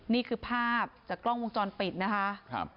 นี่คือภาพจากกล้องวงจรปิดนะคะ